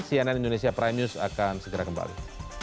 cnn indonesia prime news akan segera kembali